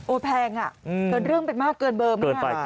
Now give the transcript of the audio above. แพงอ่ะเกินเรื่องไปมากเกินเบอร์มาก